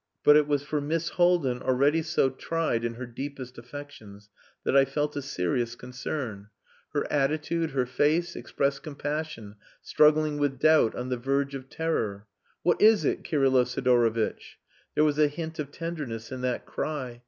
But it was for Miss Haldin, already so tried in her deepest affections, that I felt a serious concern. Her attitude, her face, expressed compassion struggling with doubt on the verge of terror. "What is it, Kirylo Sidorovitch?" There was a hint of tenderness in that cry.